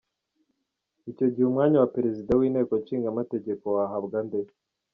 Icyo gihe umwanya wa Perezida w’inteko nshingamategeko wahabwa nde ?